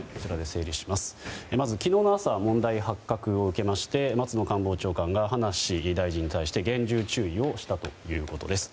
まず昨日の朝問題発覚を受けまして松野官房長官が葉梨大臣に対して厳重注意をしたということです。